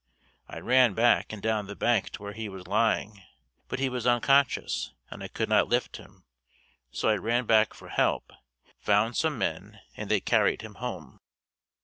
I ran back and down the bank to where he was lying, but he was unconscious and I could not lift him, so I ran back for help, found some men and they carried him home.